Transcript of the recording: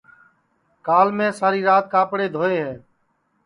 کال میں ساری رات کاپڑے دھوئے ہے